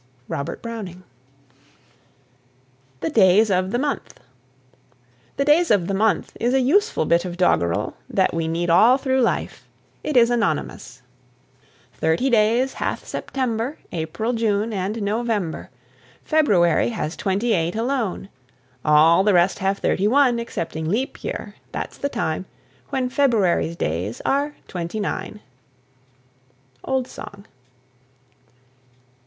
ROBERT BROWNING. THE DAYS OF THE MONTH. "The Days of the Month" is a useful bit of doggerel that we need all through life. It is anonymous. Thirty days hath September, April, June, and November; February has twenty eight alone. All the rest have thirty one, Excepting leap year that's the time When February's days are twenty nine. OLD SONG.